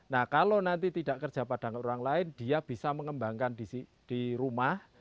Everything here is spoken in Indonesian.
nah kalau nanti tidak kerja pada orang lain dia bisa mengembangkan di rumah